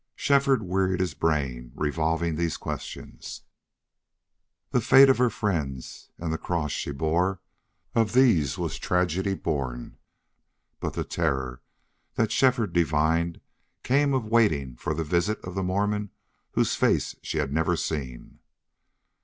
Shefford wearied his brain revolving these questions. The fate of her friends, and the cross she bore of these was tragedy born, but the terror that Shefford divined came of waiting for the visit of the Mormon whose face she had never seen.